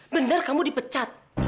bener kamu dipecat